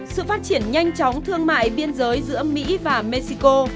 sự phát triển nhanh chóng thương mại biên giới giữa mỹ và mexico